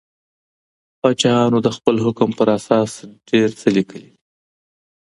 پاچاهانو د خپل حکم په اساس ډیر څه لیکلي دي.